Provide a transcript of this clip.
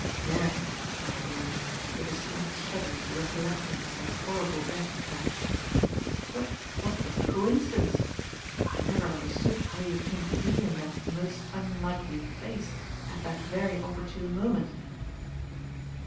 "Very," I agreed, with a slight shudder at the recollecting of that horrible death trap. "But what was the coincidence? I never understood how you came to be in that most unlikely place at that very opportune moment."